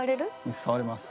虫触れます。